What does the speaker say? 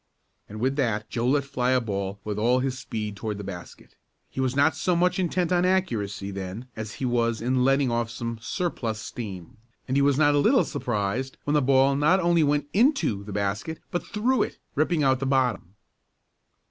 And with that Joe let fly a ball with all his speed toward the basket. He was not so much intent on accuracy then as he was in letting off some surplus "steam," and he was not a little surprised when the ball not only went into the basket but through it, ripping out the bottom.